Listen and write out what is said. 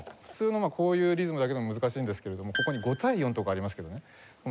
普通のこういうリズムだけでも難しいんですけれどもここに５：４とかありますけどね。